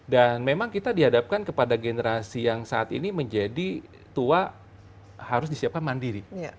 dan memang kita dihadapkan kepada generasi yang saat ini menjadi tua harus disiapkan mandiri